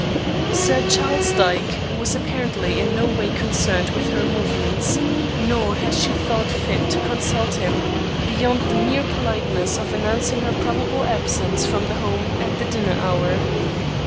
Sir Charles Dyke was apparently in no way concerned with her movements, nor had she thought fit to consult him, beyond the mere politeness of announcing her probable absence from home at the dinner hour.